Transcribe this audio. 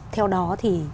theo đó thì